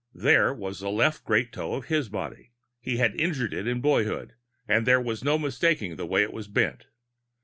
There was the left great toe of his body. He had injured it in boyhood and there was no mistaking the way it was bent.